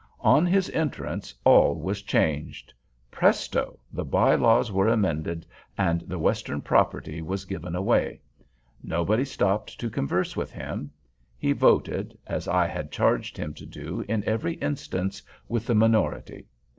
On his entrance all was changed. Presto, the by laws were amended, and the Western property was given away. Nobody stopped to converse with him. He voted, as I had charged him to do, in every instance, with the minority.